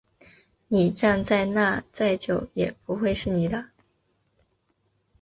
你站在那再久也不会是你的